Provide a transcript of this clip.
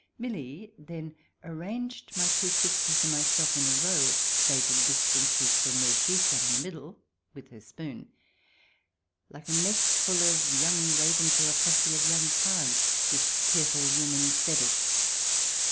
Milly then arranged my two sisters and myself in a row at stated distances from where she sat in the middle with her spoon. Like a nestful of young ravens or a posse of young calves, this careful woman fed us.